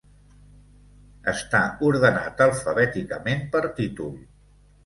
Està ordenat alfabèticament per títol.